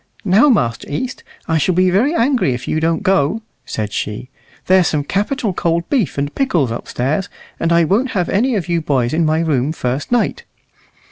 "Now, Master East, I shall be very angry if you don't go," said she; "there's some capital cold beef and pickles upstairs, and I won't have you old boys in my room first night."